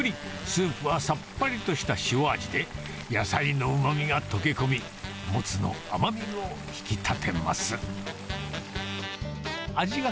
スープはさっぱりとした塩味で、野菜のうまみが溶け込み、モツの甘みを引き立てます。